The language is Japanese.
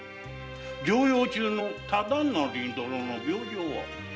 療養中の忠成殿の病状は？